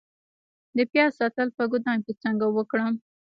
د پیاز ساتل په ګدام کې څنګه وکړم؟